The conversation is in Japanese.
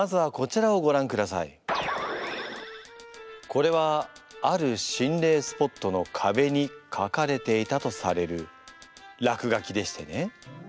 これはある心霊スポットのかべにかかれていたとされる落書きでしてね。